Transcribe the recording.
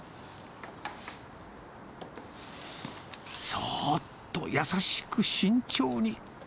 そーっと優しく慎重に。